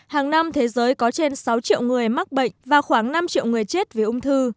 hàng năm thế giới có trên sáu triệu người mắc bệnh và khoảng năm triệu người chết vì ung thư